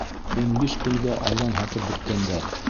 Ун биш көнгә алдан һатып бөткәндәр.